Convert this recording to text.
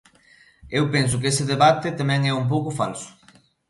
Eu penso que ese debate tamén é un pouco falso.